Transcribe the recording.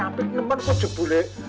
ampek ngemen kok jebulek